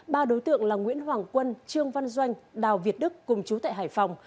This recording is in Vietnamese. ba đối tượng là nguyễn hoàng quân trương văn doanh đào việt đức cùng chú tại hải phòng